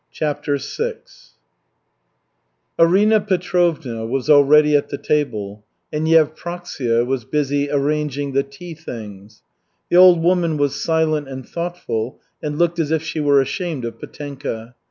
CHAPTER VI Arina Petrovna was already at the table, and Yevpraksia was busy arranging the tea things. The old woman was silent and thoughtful, and looked as if she were ashamed of Petenka.